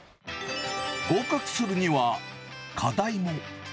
合格するには、課題も。